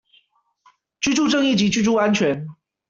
居住正義及居住安全